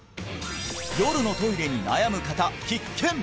夜のトイレに悩む方必見！